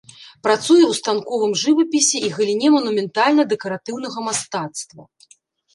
Працуе ў станковым жывапісе і галіне манументальна-дэкаратыўнага мастацтва.